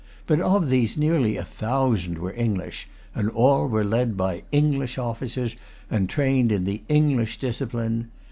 But of these nearly a thousand were English; and all were led by English officers, and trained in the English discipline.